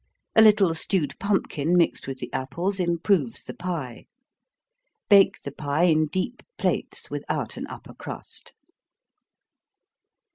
A little stewed pumpkin, mixed with the apples, improves the pie. Bake the pie in deep plates, without an upper crust.